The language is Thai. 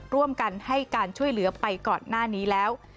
ร่วมกันให้การช่วยเหลือไปก่อนหน้านี้แล้ว